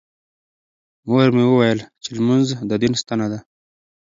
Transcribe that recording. مور مې وویل چې لمونځ د دین ستنه ده.